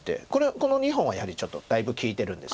この２本はやはりちょっとだいぶ利いてるんです。